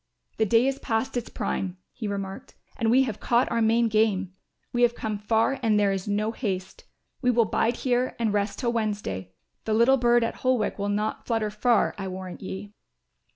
"The day is past its prime," he remarked, "and we have caught our main game. We have come far and there is no haste. We will bide here and rest till Wednesday; the little bird at Holwick will not flutter far, I warrant ye."